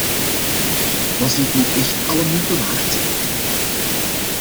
Was dit nu echt alle moeite waard?